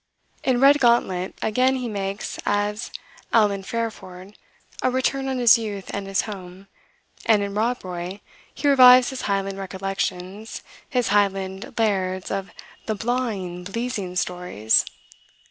In "Redgauntlet," again, he makes, as Alan Fairford, a return on his youth and his home, and in "Rob Roy" he revives his Highland recollections, his Highland lairds of "the blawing, bleezing stories."